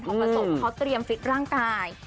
ของประสบเขาเตรียมฟิตร่างกาย